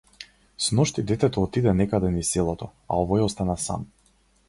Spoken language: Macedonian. Сношти детето отиде некаде низ селото, а овој остана сам.